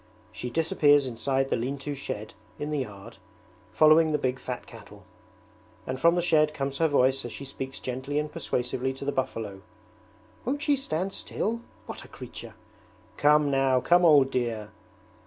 She disappears inside the lean to shed in the yard, following the big fat cattle; and from the shed comes her voice as she speaks gently and persuasively to the buffalo: 'Won't she stand still? What a creature! Come now, come old dear!'